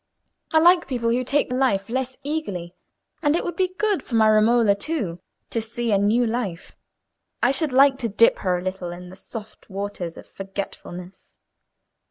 I like people who take life less eagerly; and it would be good for my Romola, too, to see a new life. I should like to dip her a little in the soft waters of forgetfulness."